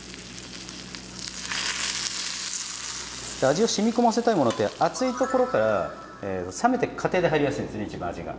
味をしみこませたいものって熱いところから冷めてく過程で入りやすいんですね一番味が。